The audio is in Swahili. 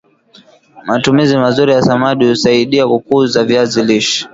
matumizi mazuri ya samadi husaidia kukuza viazi lishe